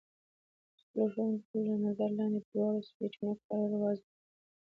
د خپلو ښوونکي تر نظر لاندې د دواړو سویچونو کارول وازموئ.